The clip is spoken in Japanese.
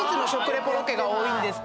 リポロケが多いんですけど。